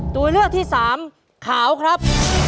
ตัวเลือกที่สามขาวครับ